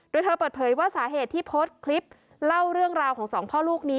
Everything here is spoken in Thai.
โดยเธอเปิดเผยว่าสาเหตุที่โพสต์คลิปเล่าเรื่องราวของสองพ่อลูกนี้